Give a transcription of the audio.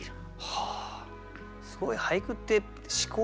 はあ。